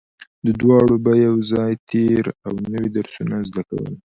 او دواړو به يو ځای تېر او نوي درسونه زده کول